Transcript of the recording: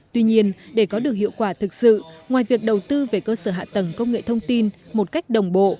tuy nhiên để có được hiệu quả thực sự ngoài việc đầu tư về cơ sở hạ tầng công nghệ thông tin một cách đồng bộ